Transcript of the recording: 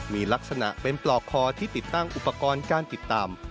มีลักษณะเป็นปลอกคอที่ติดตั้งอุปกรณ์การติดตาม